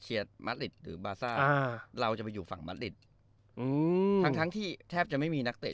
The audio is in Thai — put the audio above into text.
เชียร์หรืออ่าเราจะไปอยู่ฝั่งอืมทั้งทั้งที่แทบจะไม่มีนักเตะ